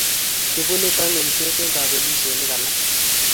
Ibu nito ng'emset eng' kabelisionik alak.